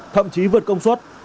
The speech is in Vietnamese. thậm chí vượt công suất